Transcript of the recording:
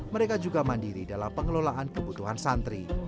mereka juga mandiri dalam pengelolaan kebutuhan santri